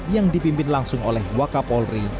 yang dipimpin langsung oleh wakapolri